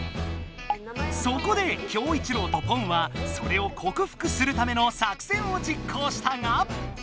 そこでキョウイチロウとポンはそれをこくふくするための作戦を実行したが。